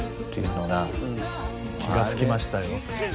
気がつきましたよ。